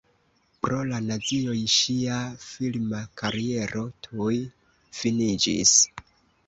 Pro la nazioj ŝia filma kariero tuj finiĝis.